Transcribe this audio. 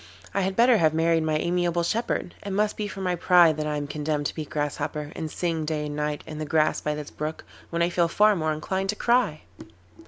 I had better have married my amiable shepherd. It must be for my pride that I am condemned to be a Grasshopper, and sing day and night in the grass by this brook, when I feel far more inclined to cry.